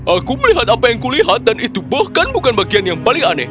aku melihat apa yang kulihat dan itu bahkan bukan bagian yang paling aneh